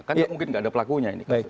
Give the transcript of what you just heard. kan tidak mungkin tidak ada pelakunya ini